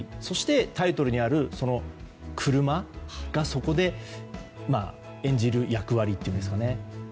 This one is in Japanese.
そして、タイトルにある車がそこで演じる役割というんですかね。